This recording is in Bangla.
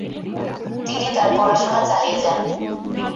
তিনি তার পড়াশোনা চালিয়ে যান।